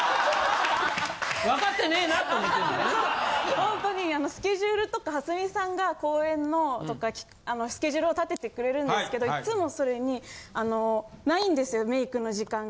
ほんとにスケジュールとか蓮見さんが公演とかスケジュールを立ててくれるんですけどいっつもそれに無いんですよメイクの時間が。